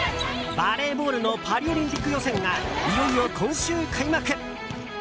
バレーボールのパリオリンピック予選がいよいよ今週開幕！